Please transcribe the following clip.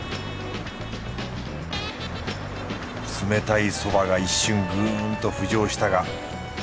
冷たいそばが一瞬ぐんと浮上したが。